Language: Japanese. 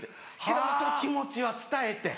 けどまぁその気持ちは伝えて。